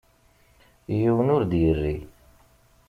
Yiwen ur d-yerri.